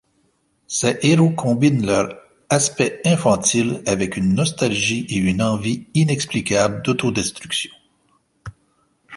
Ces héros combinent leur aspect infantile avec une nostalgie et une envie inexplicable d’autodestruction.